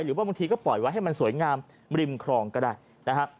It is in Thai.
หรือว่าบางทีก็ปล่อยไว้ให้มันสวยงามริมครองก็ได้นะฮะ